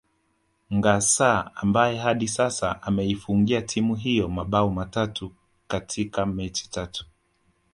Ngassa ambaye hadi sasa ameifungia timu hiyo mambao matatu katika mechi tatu